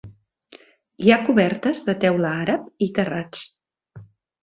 Hi ha cobertes de teula àrab i terrats.